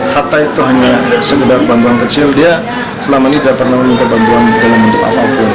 hatta itu hanya sekedar bantuan kecil dia selama ini tidak pernah meminta bantuan dalam bentuk apapun